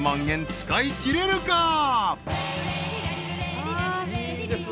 円使いきれるか？］